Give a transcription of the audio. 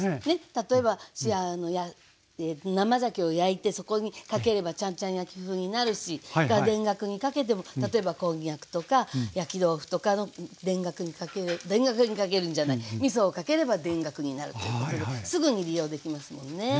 例えば生ざけを焼いてそこにかければちゃんちゃん焼き風になるし田楽にかけても例えばこんにゃくとか焼き豆腐とか田楽にかける田楽にかけるんじゃないみそをかければ田楽になるということですぐに利用できますもんね。